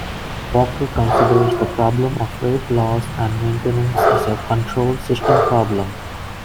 Walker considers the problem of weight loss and maintenance as a control system problem.